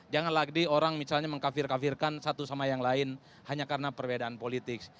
jangan lagi orang misalnya mengkafir kafirkan satu sama yang lain hanya karena perbedaan politik